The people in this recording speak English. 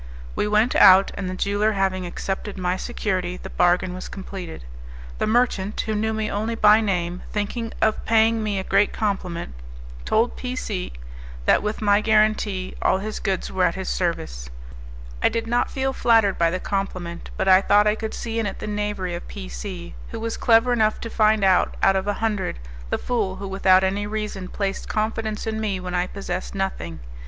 We went out, and the jeweller having accepted my security the bargain was completed. The merchant, who knew me only by name, thinking of paying me a great compliment, told P C that with my guarantee all his goods were at his service. I did not feel flattered by the compliment, but I thought I could see in it the knavery of P C , who was clever enough to find out, out of a hundred, the fool who without any reason placed confidence in me when I possessed nothing.